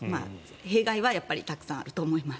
弊害はたくさんあると思います。